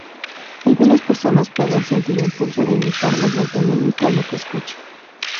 Algunas personas pueden sentir impulso de imitar, mediante mímica, lo que escuchan.